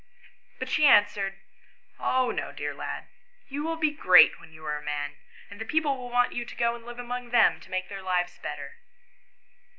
But she answered, "Oh no, dear lad, you will be great when you are a man, and the people will want you to go and live among them, to make their lives better."